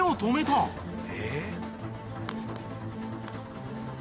えっ？